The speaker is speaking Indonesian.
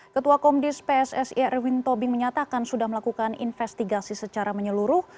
ketua komdis pssi erwin tobing menyatakan sudah melakukan investigasi secara menyeluruh